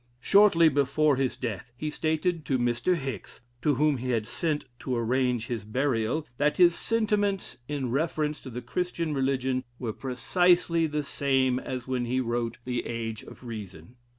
Shortly before his death, he stated to Mr. Hicks, to whom he had sent to arrange his burial? that his sentiments in reference to the Christian religion were precisely the same as when he wrote the "Age of Reason."